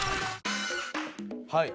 はい。